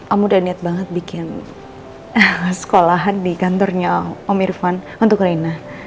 aku udah niat banget bikin sekolahan di kantornya om irfan untuk reina